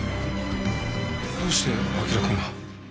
どうして輝くんが。